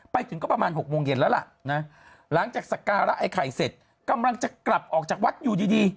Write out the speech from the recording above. ไปถึงก็ประมาณ๖โมงเย็นแล้วล่ะนะหลังจากสการะไอ้ไข่เสร็จกำลังจะกลับออกจากวัดอยู่ดีดี